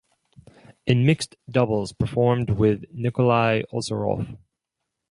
In mixed doubles performed with Nikolai Ozerov.